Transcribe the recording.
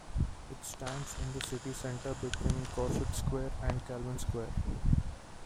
It stands in the city centre, between Kossuth square and Kalvin square.